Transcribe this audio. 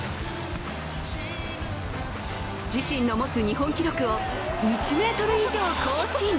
自身の持つ日本記録を１ｍ以上更新。